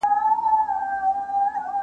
تش په نامه دغه